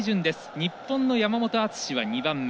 日本の山本篤は２番目。